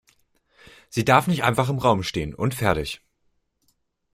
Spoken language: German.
Sie darf nicht einfach im Raum stehen und fertig.